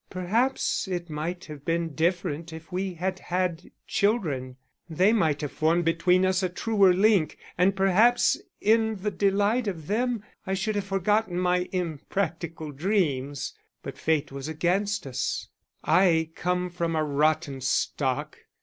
Perhaps it might have been different if we had had children; they might have formed between us a truer link, and perhaps in the delight of them I should have forgotten my impracticable dreams. But fate was against us, I come from a rotten stock.